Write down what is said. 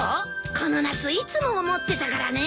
この夏いつも思ってたからね。